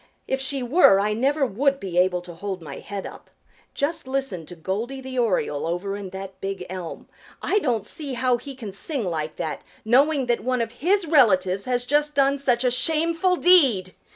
If she were I never would be able to hold my head up. Just listen to Goldy the Oriole over in that big elm. I don't see how he can sing like that, knowing that one of his relatives has just done such a shameful deed.